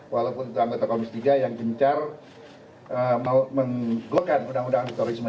walaupun itu anggota komisi tiga yang gencar menggolkan undang undang anti terorisme